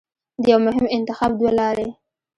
د یوه مهم انتخاب دوه لارې